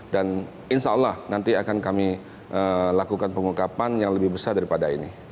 dan insya allah nanti akan kami lakukan pengungkapan yang lebih besar daripada ini